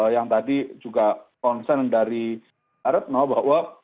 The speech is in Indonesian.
yang tadi juga konsen dari arutno bahwa